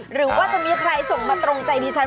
หรือว่าจะมีใครส่งมาตรงใจดิฉัน